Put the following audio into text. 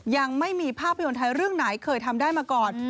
ยังไม่มีภาพยนตร์ไทยเรื่องไหนเคยทำได้มาก่อน